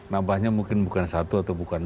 nabahnya mungkin bukan satu atau bukan dua